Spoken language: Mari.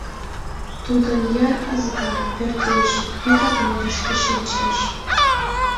Тудын йыр ызга, пӧрдеш Вигак нерышке шинчеш